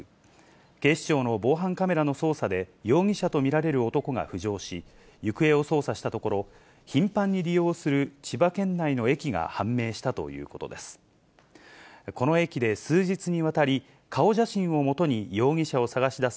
警視庁の防犯カメラの捜査で、容疑者と見られる男が浮上し、行方を捜査したところ、頻繁に利用する千葉県内の駅が判明したということです。